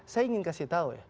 saya ingin kasih tahu